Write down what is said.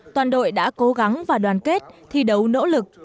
toàn đội đã cố gắng và đoàn kết thi đấu nỗ lực